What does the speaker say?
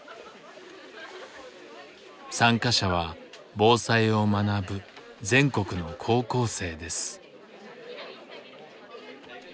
参加者は防災を学ぶ全国の高校生です。